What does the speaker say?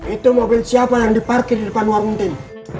itu mobil siapa yang diparkir di depan warung team